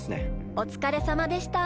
お疲れさまでした。